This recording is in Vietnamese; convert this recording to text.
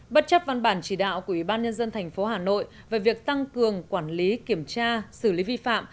bất chấp văn bản chỉ đạo của ủy ban nhân dân tp hà nội về việc tăng cường quản lý kiểm tra xử lý vi phạm